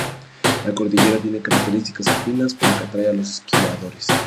La cordillera tiene características alpinas, por lo que atrae a los esquiadores.